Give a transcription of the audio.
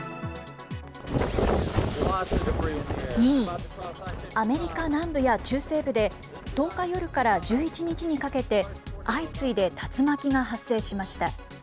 ２位、アメリカ南部や中西部で、１０日夜から１１日にかけて、相次いで竜巻が発生しました。